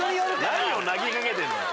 何を投げかけてんのよ。